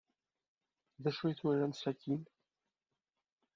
D acu ay twalam sakkin?